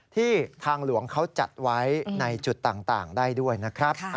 ที่ทางหลวงเขาจัดไว้ในจุดต่างได้ด้วยนะครับ